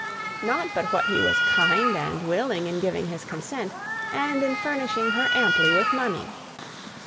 Not but what he was kind and willing in giving his consent, and in furnishing her amply with money.